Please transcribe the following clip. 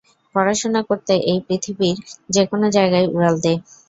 পড়াশোনা করতে এই পৃথিবীর যেকোন জায়গায় উড়াল দে।